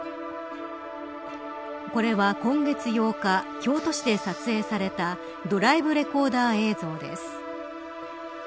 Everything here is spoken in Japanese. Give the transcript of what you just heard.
これは、今月８日京都市で撮影されたドライブレコーダー映像です。